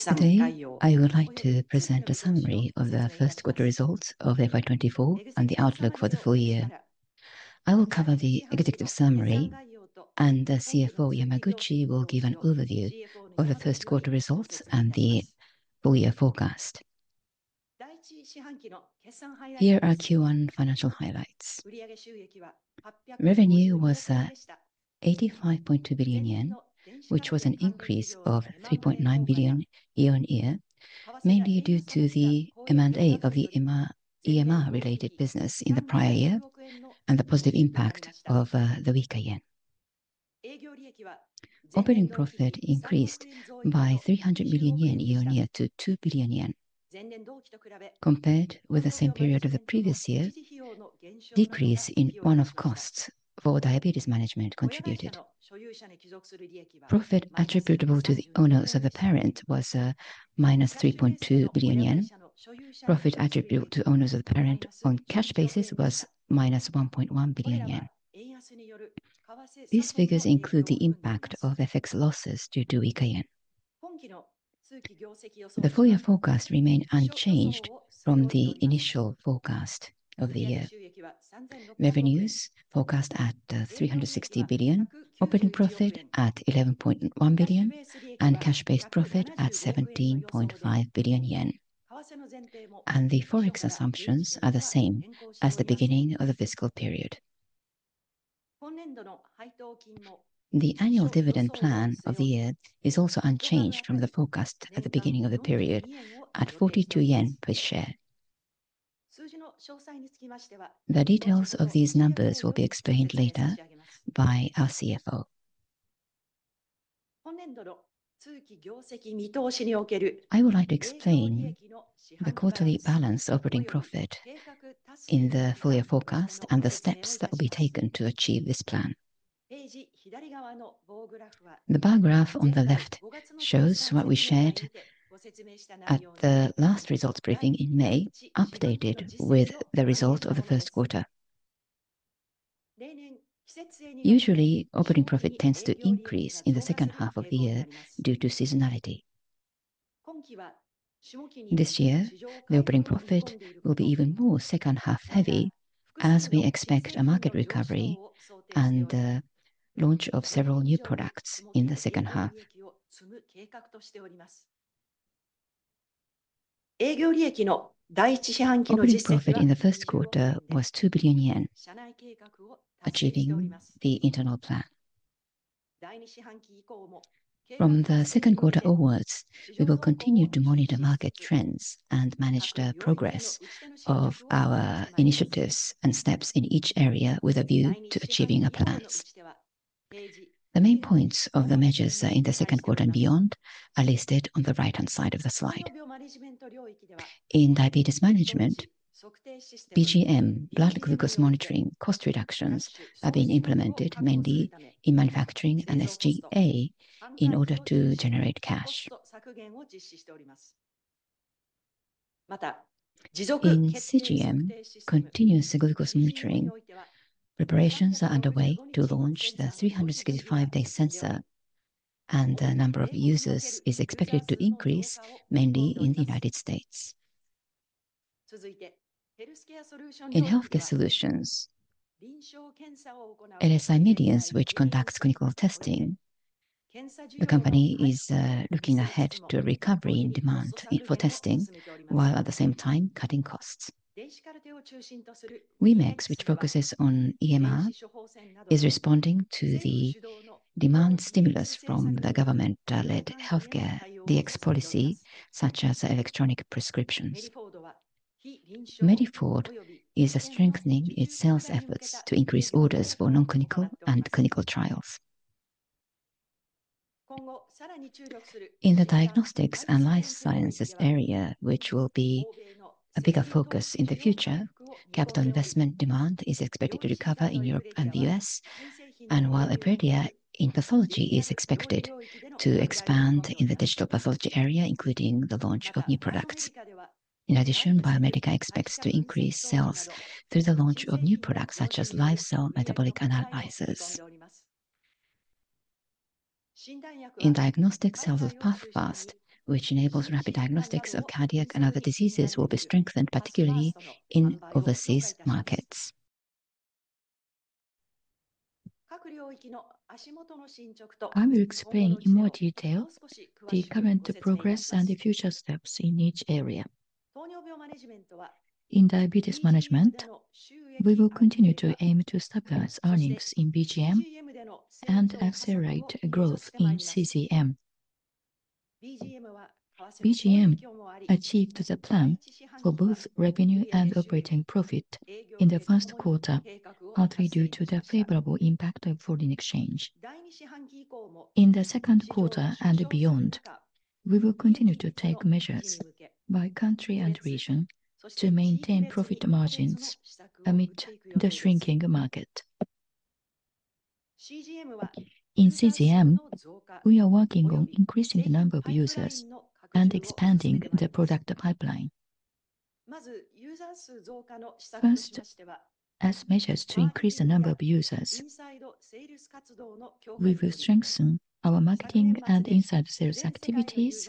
Today, I would like to present a summary of the first quarter results of FY24 and the outlook for the full year. I will cover the executive summary, and the CFO, Yamaguchi, will give an overview of the first quarter results and the full year forecast. Here are Q1 financial highlights. Revenue was 85.2 billion yen, which was an increase of 3.9 billion year-on-year, mainly due to the M&A of the EMR, EMR-related business in the prior year and the positive impact of the weaker yen. Operating profit increased by 300 million yen year-on-year to 2 billion yen. Compared with the same period of the previous year, decrease in one-off costs for Diabetes Management contributed. Profit attributable to the owners of the parent was -3.2 billion yen. Profit attributable to owners of the parent on cash basis was -1.1 billion yen. These figures include the impact of FX losses due to weaker yen. The full year forecast remain unchanged from the initial forecast of the year. Revenues forecast at 360 billion, operating profit at 11.1 billion, and cash-based profit at 17.5 billion yen. The Forex assumptions are the same as the beginning of the fiscal period. The annual dividend plan of the year is also unchanged from the forecast at the beginning of the period, at 42 yen per share. The details of these numbers will be explained later by our CFO. I would like to explain the quarterly balanced operating profit in the full year forecast, and the steps that will be taken to achieve this plan. The bar graph on the left shows what we shared at the last results briefing in May, updated with the result of the first quarter. Usually, operating profit tends to increase in the second half of the year due to seasonality. This year, the operating profit will be even more second half heavy, as we expect a market recovery and the launch of several new products in the second half. Operating profit in the first quarter was 2 billion yen, achieving the internal plan. From the second quarter onwards, we will continue to monitor market trends and manage the progress of our initiatives and steps in each area with a view to achieving our plans. The main points of the measures in the second quarter and beyond are listed on the right-hand side of the slide. In Diabetes Management, BGM, blood glucose monitoring cost reductions, are being implemented mainly in manufacturing and SG&A in order to generate cash. In CGM, continuous glucose monitoring, preparations are underway to launch the 365-day sensor, and the number of users is expected to increase, mainly in the United States. In Healthcare Solutions, LSI Medience, which conducts clinical testing, the company is looking ahead to a recovery in demand for testing, while at the same time cutting costs. WEMEX, which focuses on EMR, is responding to the demand stimulus from the government-led healthcare, DX policy, such as electronic prescriptions. Mediford is strengthening its sales efforts to increase orders for non-clinical and clinical trials. In the Diagnostics and Life Sciences area, which will be a bigger focus in the future, capital investment demand is expected to recover in Europe and the U.S., and while Epredia in Pathology is expected to expand in the digital Pathology area, including the launch of new products. In addition, Biomedica expects to increase sales through the launch of new products, such as live cell metabolic analyzers. In diagnostic sales of PATHFAST, which enables rapid diagnostics of cardiac and other diseases, will be strengthened, particularly in overseas markets. I will explain in more detail the current progress and the future steps in each area. In Diabetes Management, we will continue to aim to stabilize earnings in BGM and accelerate growth in CGM. BGM achieved the plan for both revenue and operating profit in the first quarter, partly due to the favorable impact of foreign exchange. In the second quarter and beyond, we will continue to take measures by country and region to maintain profit margins amid the shrinking market. In CGM, we are working on increasing the number of users and expanding the product pipeline. First, as measures to increase the number of users, we will strengthen our marketing and inside sales activities.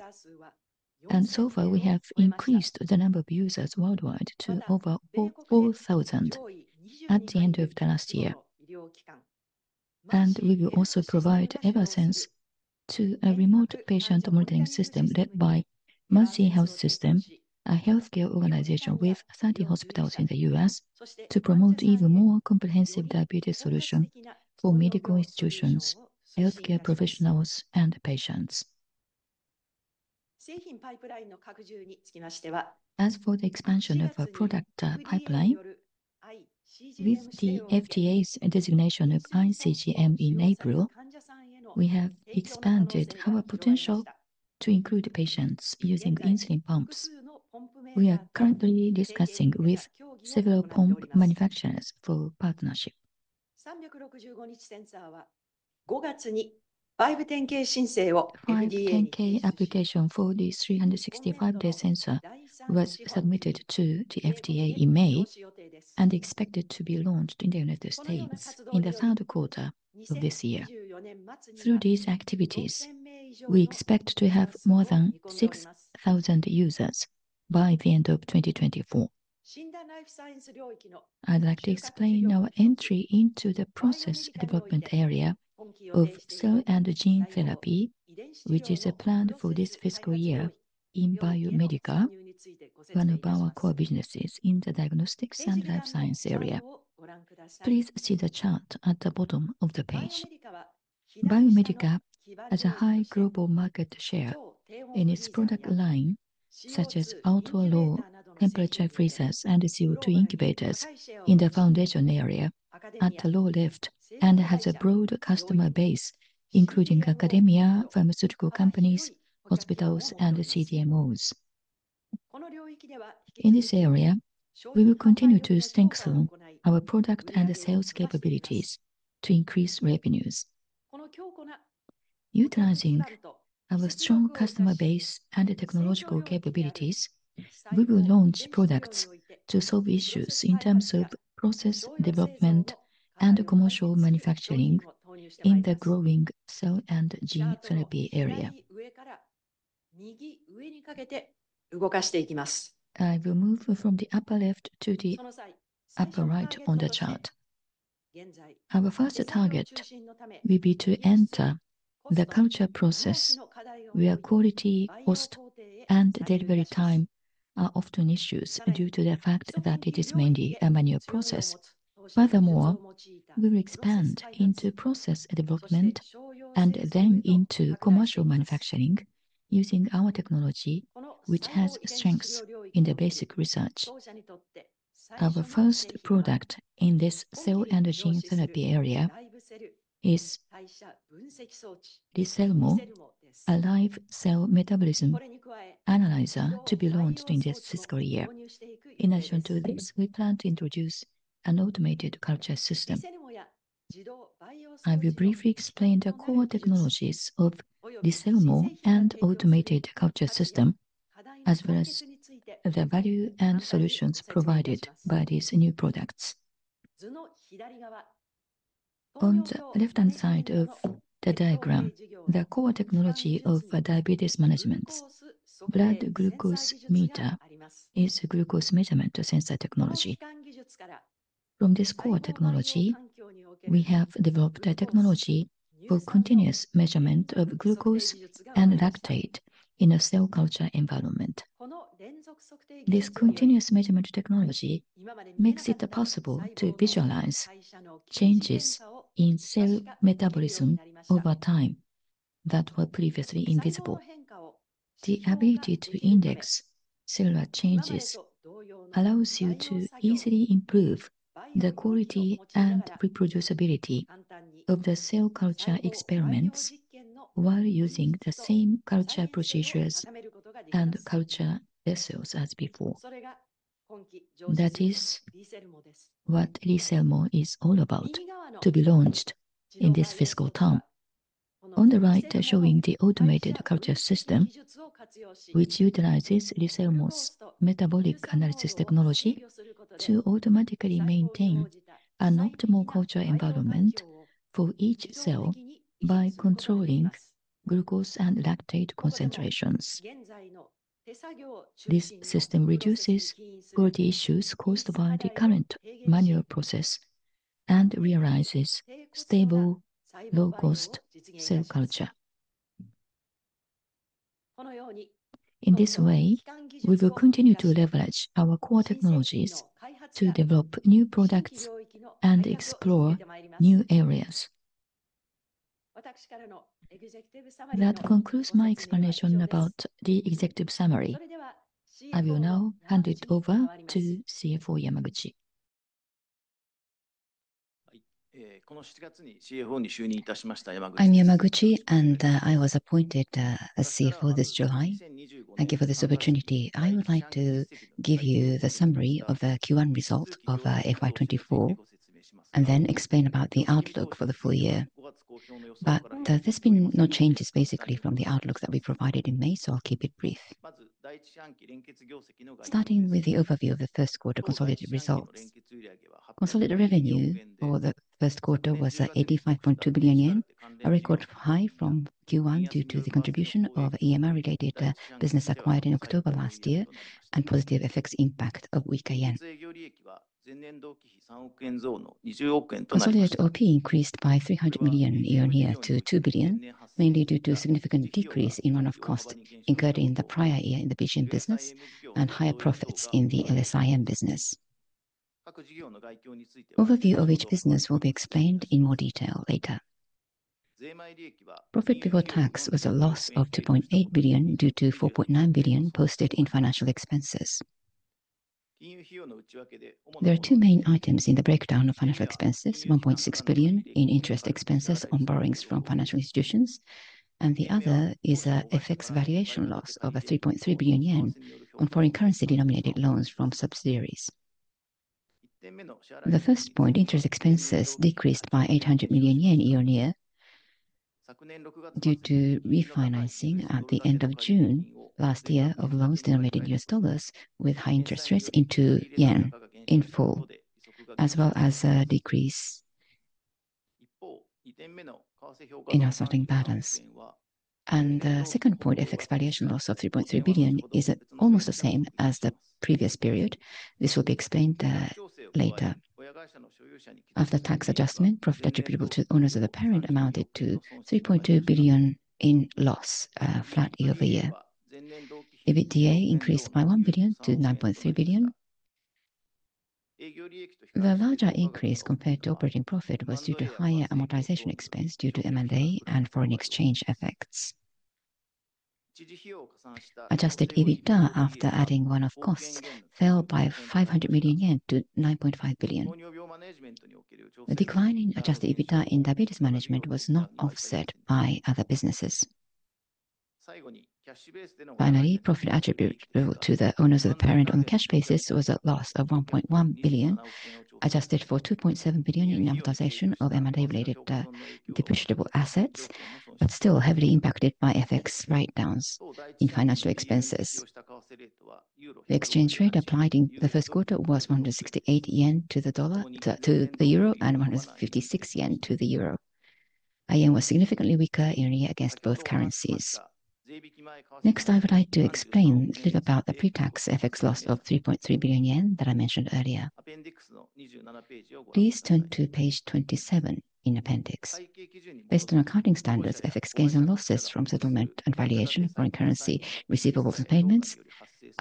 And so far, we have increased the number of users worldwide to over 4,400 at the end of the last year. And we will also provide Eversense to a remote patient monitoring system led by Mercy Health System, a healthcare organization with 30 hospitals in the U.S., to promote even more comprehensive diabetes solution for medical institutions, healthcare professionals, and patients. As for the expansion of our product pipeline, with the FDA's designation of iCGM in April, we have expanded our potential to include patients using insulin pumps. We are currently discussing with several pump manufacturers for partnership. 510(k) application for the 365-day sensor was submitted to the FDA in May, and expected to be launched in the United States in the third quarter of this year. Through these activities, we expect to have more than 6,000 users by the end of 2024. I'd like to explain our entry into the process development area of cell and gene therapy, which is a plan for this fiscal year in Biomedica, one of our core businesses in the diagnostics and life science area. Please see the chart at the bottom of the page. Biomedica has a high global market share in its product line, such as ultra-low temperature freezers and CO2 incubators in the foundation area at the lower left, and has a broad customer base, including academia, pharmaceutical companies, hospitals, and CDMOs. In this area, we will continue to strengthen our product and sales capabilities to increase revenues. Utilizing our strong customer base and technological capabilities, we will launch products to solve issues in terms of process development and commercial manufacturing in the growing cell and gene therapy area. I will move from the upper left to the upper right on the chart. Our first target will be to enter the culture process, where quality, cost, and delivery time are often issues due to the fact that it is mainly a manual process. Furthermore, we'll expand into process development, and then into commercial manufacturing using our technology, which has strengths in the basic research. Our first product in this cell and gene therapy area is LiCellMo, a live cell metabolism analyzer to be launched in this fiscal year. In addition to this, we plan to introduce an automated culture system. I will briefly explain the core technologies of LiCellMo and automated culture system, as well as the value and solutions provided by these new products. On the left-hand side of the diagram, the core technology of, Diabetes Management, blood glucose meter, is a glucose measurement sensor technology. From this core technology, we have developed a technology for continuous measurement of glucose and lactate in a cell culture environment. This continuous measurement technology makes it possible to visualize changes in cell metabolism over time that were previously invisible. The ability to index cellular changes allows you to easily improve the quality and reproducibility of the cell culture experiments, while using the same culture procedures and culture vessels as before. That is what LiCellMo is all about, to be launched in this fiscal term. On the right, showing the automated culture system, which utilizes LiCellMo's metabolic analysis technology to automatically maintain an optimal culture environment for each cell by controlling glucose and lactate concentrations. This system reduces quality issues caused by the current manual process and realizes stable, low-cost cell culture. In this way, we will continue to leverage our core technologies to develop new products and explore new areas. That concludes my explanation about the executive summary. I will now hand it over to CFO Yamaguchi. I'm Yamaguchi, and I was appointed as CFO this July. Thank you for this opportunity. I would like to give you the summary of the Q1 result of FY 2024, and then explain about the outlook for the full year. ... but, there's been no changes basically from the outlook that we provided in May, so I'll keep it brief. Starting with the overview of the first quarter consolidated results. Consolidated revenue for the first quarter was 85.2 billion yen, a record high from Q1 due to the contribution of EMR-related business acquired in October last year, and positive FX impact of weaker yen. Consolidated OP increased by 300 million year-on-year to 2 billion, mainly due to a significant decrease in one-off cost incurred in the prior year in the BGM business and higher profits in the LSIM business. Overview of each business will be explained in more detail later. Profit before tax was a loss of 2.8 billion, due to 4.9 billion posted in financial expenses. There are two main items in the breakdown of financial expenses: 1.6 billion in interest expenses on borrowings from financial institutions, and the other is a FX valuation loss of 3.3 billion yen on foreign currency denominated loans from subsidiaries. The first point, interest expenses decreased by 800 million yen year-on-year, due to refinancing at the end of June last year of loans denominated U.S. dollars with high interest rates into yen in full, as well as a decrease in our sorting patterns. And the second point, FX valuation loss of 3.3 billion, is at almost the same as the previous period. This will be explained later. After tax adjustment, profit attributable to owners of the parent amounted to 3.2 billion in loss, flat year-over-year. EBITDA increased by 1 billion-9.3 billion. The larger increase compared to operating profit was due to higher amortization expense due to M&A and foreign exchange effects. Adjusted EBITDA after adding one-off costs fell by 500 million-9.5 billion yen. The decline in adjusted EBITDA in Diabetes Management was not offset by other businesses. Finally, profit attributable to the owners of the parent on a cash basis was at loss of 1.1 billion, adjusted for 2.7 billion in amortization of M&A-related depreciable assets, but still heavily impacted by FX write-downs in financial expenses. The exchange rate applied in the first quarter was 168 yen to the dollar, to the euro, and 156 yen to the euro. Our yen was significantly weaker year on year against both currencies. Next, I would like to explain a little about the pre-tax FX loss of 3.3 billion yen that I mentioned earlier. Please turn to page 27 in appendix. Based on accounting standards, FX gains and losses from settlement and valuation of foreign currency, receivables and payments,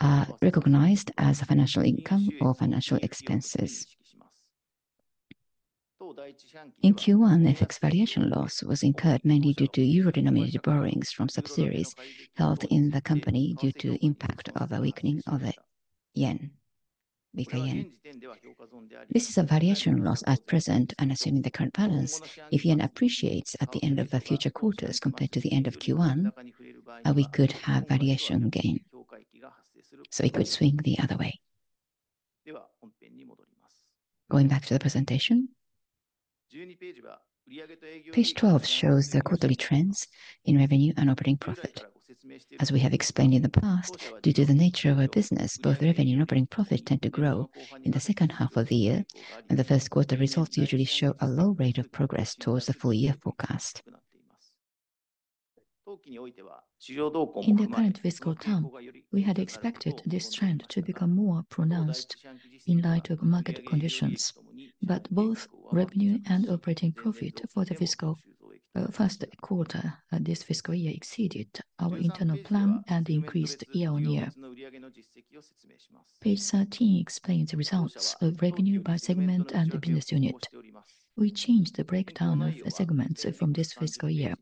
are recognized as financial income or financial expenses. In Q1, FX valuation loss was incurred mainly due to euro-denominated borrowings from subsidiaries held in the company due to impact of a weakening of the yen, weaker yen. This is a valuation loss at present, and assuming the current balance, if yen appreciates at the end of the future quarters compared to the end of Q1, we could have valuation gain, so it could swing the other way. Going back to the presentation. Page 12 shows the quarterly trends in revenue and operating profit. As we have explained in the past, due to the nature of our business, both revenue and operating profit tend to grow in the second half of the year, and the first quarter results usually show a low rate of progress towards the full year forecast. In the current fiscal term, we had expected this trend to become more pronounced in light of market conditions, but both revenue and operating profit for the fiscal first quarter this fiscal year exceeded our internal plan and increased year-on-year. Page 13 explains the results of revenue by segment and the business unit. We changed the breakdown of the segments from this fiscal year.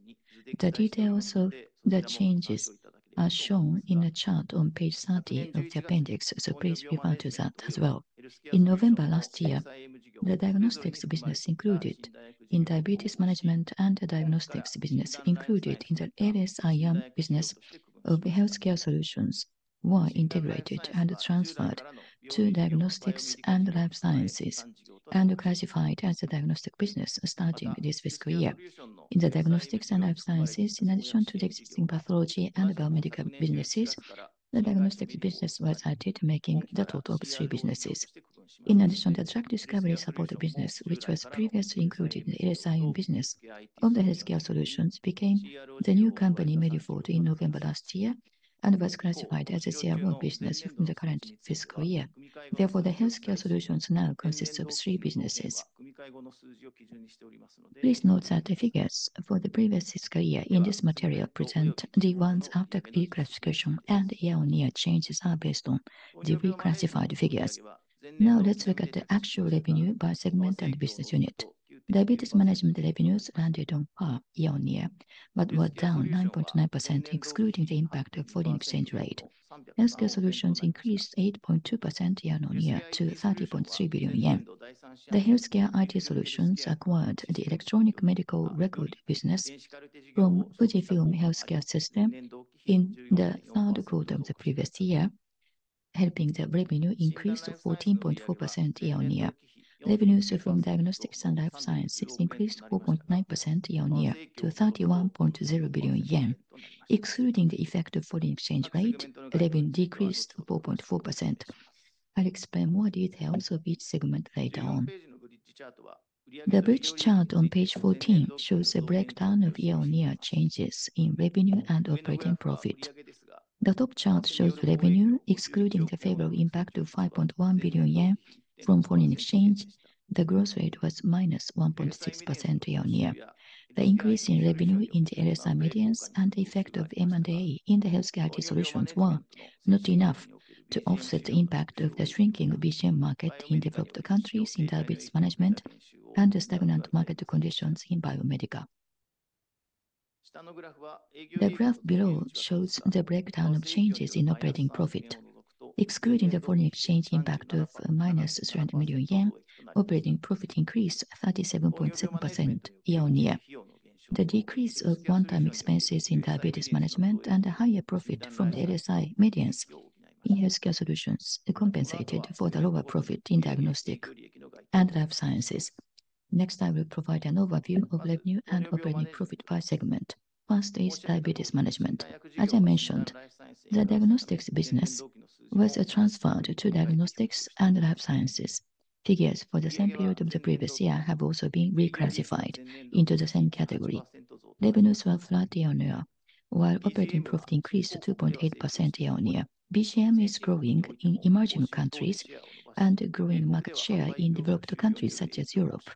The details of the changes are shown in a chart on Page 30 of the appendix, so please refer to that as well. In November last year, the diagnostics business included in Diabetes Management and the diagnostics business included in the LSI Medience business of Healthcare Solutions were integrated and transferred to Diagnostics and Life Sciences, and classified as a diagnostic business starting this fiscal year. In the Diagnostics and Life Sciences, in addition to the existing Pathology and biomedical businesses, the diagnostics business was added, making the total of three businesses. In addition, the drug discovery support business, which was previously included in the LSI Medience business of the Healthcare Solutions, became the new company, Mediford, in November last year, and was classified as a CRO business in the current fiscal year. Therefore, the Healthcare Solutions now consists of three businesses. Please note that the figures for the previous fiscal year in this material present the ones after reclassification and year-on-year changes are based on the reclassified figures. Now, let's look at the actual revenue by segment and business unit. Diabetes management revenues landed on par year-on-year, but were down 9.9%, excluding the impact of foreign exchange rate. Healthcare Solutions increased 8.2% year-on-year to 30.3 billion yen. The Healthcare IT Solutions acquired the electronic medical record business from FUJIFILM Healthcare Systems in the third quarter of the previous year, helping the revenue increase to 14.4% year-on-year. Revenues from Diagnostics and Life Sciences increased 4.9% year-on-year to 31.0 billion yen. Excluding the effect of foreign exchange rate, revenue decreased to 4.4%. I'll explain more details of each segment later on. The bridge chart on page 14 shows a breakdown of year-on-year changes in revenue and operating profit. The top chart shows revenue, excluding the favorable impact of 5.1 billion yen from foreign exchange, the growth rate was -1.6% year-on-year. The increase in revenue in the LSI Medience and the effect of M&A in the Healthcare IT solutions were not enough to offset the impact of the shrinking BGM market in developed countries in Diabetes Management and the stagnant market conditions in Biomedica. The graph below shows the breakdown of changes in operating profit. Excluding the foreign exchange impact of -300 million yen, operating profit increased 37.7% year-on-year. The decrease of one-time expenses in Diabetes Management and a higher profit from the LSI Medience in Healthcare Solutions compensated for the lower profit in diagnostic and life sciences. Next, I will provide an overview of revenue and operating profit by segment. First is Diabetes Management. As I mentioned, the diagnostics business was transferred to Diagnostics and Life Sciences. Figures for the same period of the previous year have also been reclassified into the same category. Revenues were flat year-on-year, while operating profit increased to 2.8% year-on-year. BGM is growing in emerging countries and growing market share in developed countries such as Europe.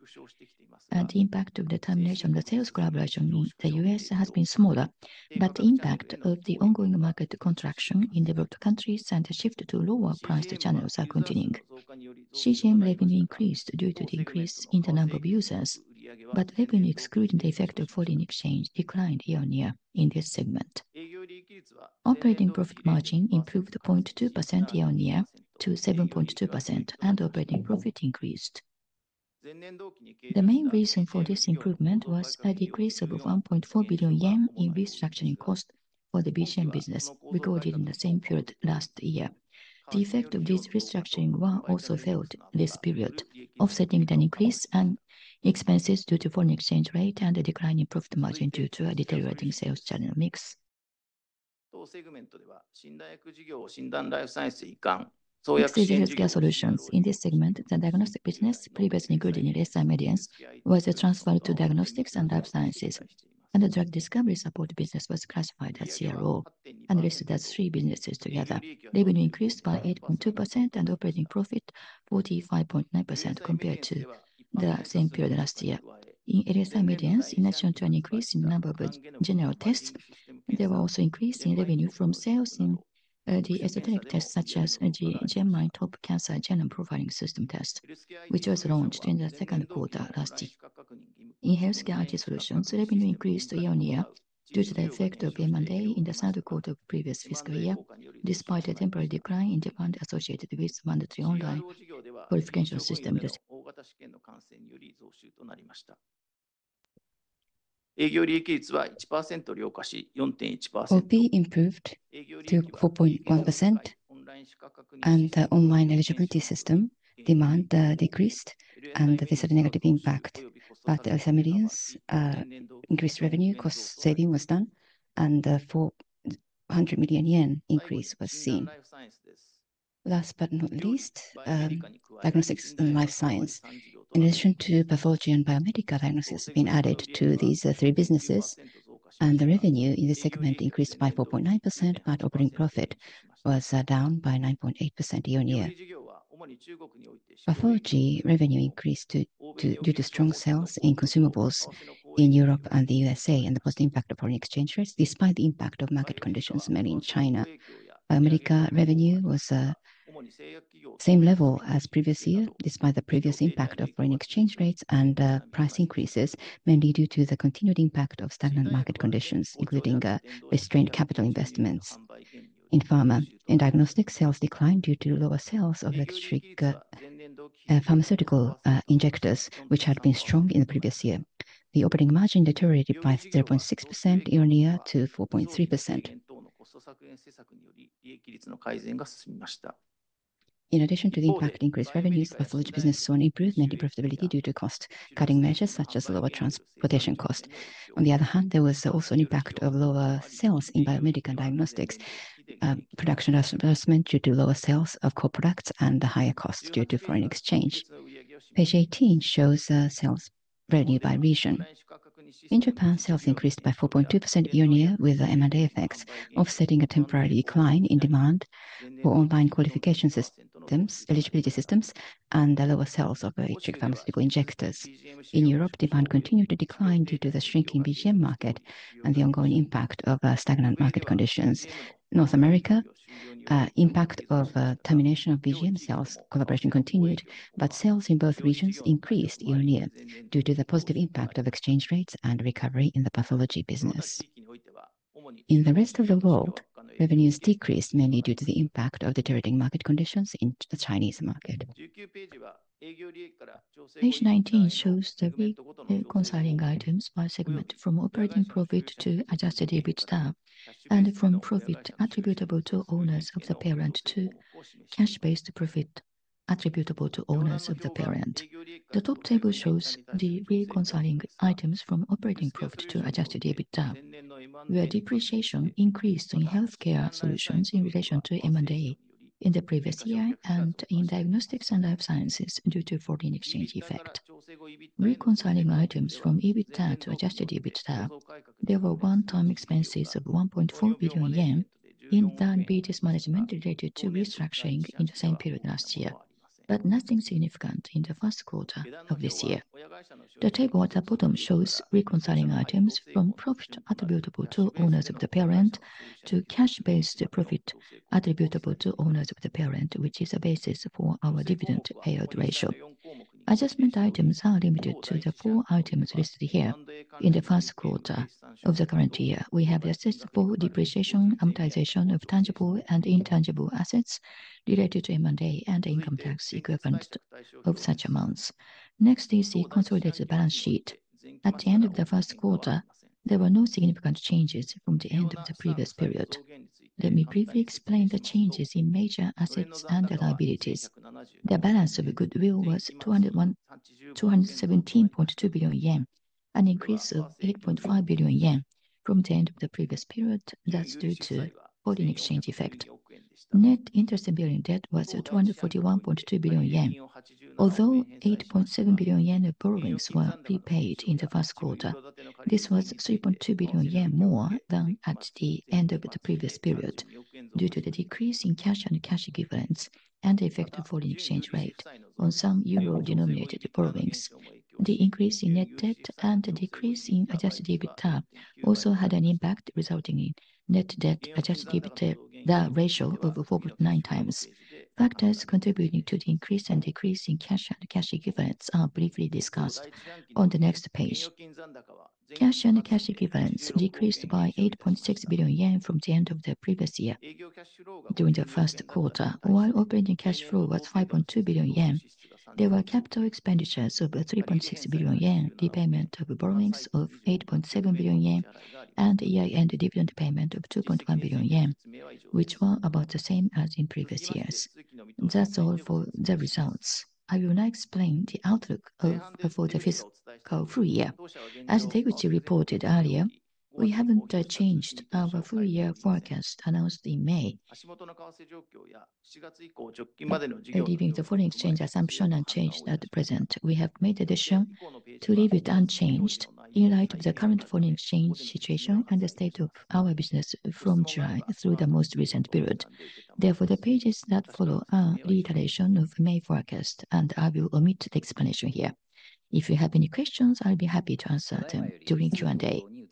The impact of the termination of the sales collaboration in the US has been smaller, but the impact of the ongoing market contraction in developed countries and the shift to lower price channels are continuing. CGM revenue increased due to the increase in the number of users, but revenue excluding the effect of foreign exchange declined year-on-year in this segment. Operating profit margin improved 0.2% year-on-year to 7.2%, and operating profit increased. The main reason for this improvement was a decrease of 1.4 billion yen in restructuring cost for the BGM business recorded in the same period last year. The effect of this restructuring were also felt this period, offsetting the increase and expenses due to foreign exchange rate and a decline in profit margin due to a deteriorating sales channel mix. Next is Healthcare Solutions. In this segment, the diagnostic business, previously included in LSI Medience, was transferred to Diagnostics and Life Sciences, and the drug discovery support business was classified as CRO and listed as three businesses together. Revenue increased by 8.2% and operating profit 45.9% compared to the same period last year. In LSI Medience, in addition to an increase in number of general tests, there were also increase in revenue from sales in, the esoteric tests, such as the GenMine TOP Cancer Genome Profiling system test, which was launched in the second quarter last year. In Healthcare IT Solutions, revenue increased year-on-year due to the effect of M&A in the second quarter of the previous fiscal year, despite a temporary decline in demand associated with mandatory online qualification system this year. OP improved to 4.1%, and the online eligibility system demand decreased, and this had a negative impact. But LSI Medience increased revenue, cost saving was done, and 400 million yen increase was seen. Last but not least, diagnostics and life science. In addition to Pathology and Biomedica, Diagnostics has been added to these three businesses, and the revenue in this segment increased by 4.9%, but operating profit was down by 9.8% year-on-year. Pathology revenue increased due to strong sales in consumables in Europe and the USA and the positive impact of foreign exchange rates, despite the impact of market conditions, mainly in China. Biomedica revenue was same level as previous year, despite the previous impact of foreign exchange rates and price increases, mainly due to the continued impact of stagnant market conditions, including restrained capital investments. In diagnostics, sales declined due to lower sales of electronic pharmaceutical injectors, which had been strong in the previous year. The operating margin deteriorated by 3.6% year-on-year to 4.3%. In addition to the impact increased revenues, Pathology business saw an improved net profitability due to cost-cutting measures, such as lower transportation cost. On the other hand, there was also an impact of lower sales in biomedical diagnostics, production investment due to lower sales of core products and the higher costs due to foreign exchange. Page 18 shows sales revenue by region. In Japan, sales increased by 4.2% year-on-year, with M&A effects offsetting a temporary decline in demand for online qualification systems, eligibility systems, and the lower sales of electronic pharmaceutical injectors. In Europe, demand continued to decline due to the shrinking BGM market and the ongoing impact of stagnant market conditions. North America, impact of termination of BGM sales collaboration continued, but sales in both regions increased year-on-year due to the positive impact of exchange rates and recovery in the Pathology business. In the Rest of the World, revenues decreased mainly due to the impact of deteriorating market conditions in the Chinese market. Page 19 shows the reconciling items by segment, from operating profit to adjusted EBITDA and from profit attributable to owners of the parent to cash-based profit.... attributable to owners of the parent. The top table shows the reconciling items from operating profit to adjusted EBITDA, where depreciation increased in Healthcare Solutions in relation to M&A in the previous year and in Diagnostics and Life Sciences due to foreign exchange effect. Reconciling items from EBITDA to adjusted EBITDA, there were one-time expenses of 1.4 billion yen in non-business management related to restructuring in the same period last year, but nothing significant in the first quarter of this year. The table at the bottom shows reconciling items from profit attributable to owners of the parent to cash-based profit attributable to owners of the parent, which is a basis for our dividend payout ratio. Adjustment items are limited to the four items listed here in the first quarter of the current year. We have adjusted for depreciation, amortization of tangible and intangible assets related to M&A and income tax equivalent of such amounts. Next is the consolidated balance sheet. At the end of the first quarter, there were no significant changes from the end of the previous period. Let me briefly explain the changes in major assets and liabilities. The balance of goodwill was 217.2 billion yen, an increase of 8.5 billion yen from the end of the previous period. That's due to foreign exchange effect. Net interest-bearing debt was 241.2 billion yen. Although 8.7 billion yen of borrowings were prepaid in the first quarter, this was 3.2 billion yen more than at the end of the previous period, due to the decrease in cash and cash equivalents and the effect of foreign exchange rate on some euro-denominated borrowings. The increase in net debt and the decrease in Adjusted EBITDA also had an impact, resulting in net debt Adjusted EBITDA ratio of 4.9 times. Factors contributing to the increase and decrease in cash and cash equivalents are briefly discussed on the next page. Cash and cash equivalents decreased by 8.6 billion yen from the end of the previous year. During the first quarter, while operating cash flow was 5.2 billion yen, there were capital expenditures of 3.6 billion yen, repayment of borrowings of 8.7 billion yen, and EI and dividend payment of 2.1 billion yen, which were about the same as in previous years. That's all for the results. I will now explain the outlook for the fiscal full year. As Taguchi reported earlier, we haven't changed our full year forecast announced in May. Leaving the foreign exchange assumption unchanged at present, we have made the decision to leave it unchanged in light of the current foreign exchange situation and the state of our business from July through the most recent period. Therefore, the pages that follow are reiteration of May forecast, and I will omit the explanation here. If you have any questions, I'll be happy to answer them during Q&A.